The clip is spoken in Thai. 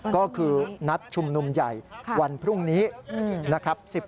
ก็คือนัดชุมนุมใหญ่วันพรุ่งนี้